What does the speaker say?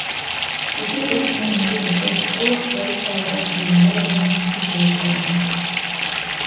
Ике-өс меңеңде тотоп, шул уҡ полисты алырға килгәндә лә һин көсһөҙ булып ҡалаһың.